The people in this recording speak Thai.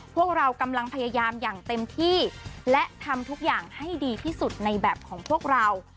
พวกเรากำลังพยายามอย่างเต็มที่และทำทุกอย่างให้ดีที่สุดในแบบของพวกเรา